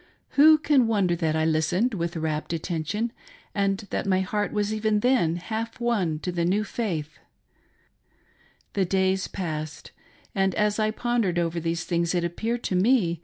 Who can wonder that I listened with rapt attention, and that my heart was even then half won to the new faith > The days passed ; and as I pondered over these things it appeared to me.